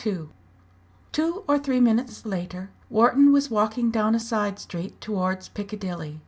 Two or three minutes later, Wharton was walking down a side street towards Piccadilly.